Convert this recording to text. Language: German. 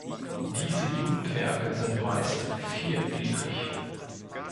Diese Jugendwerke sind meist viergliedrig.